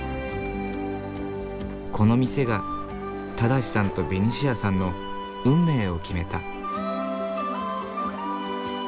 この店が正さんとベニシアさんの運命を決めた。